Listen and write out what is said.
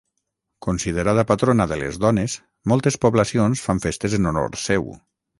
Considerada patrona de les dones, moltes poblacions fan festes en honor seu.